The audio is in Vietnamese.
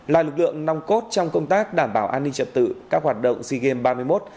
là lực lượng nòng cốt trong công tác đảm bảo an ninh trật tự các hoạt động sea games ba mươi một